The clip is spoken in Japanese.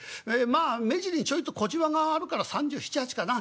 まあ目尻にちょいと小じわがあるから３７３８かな？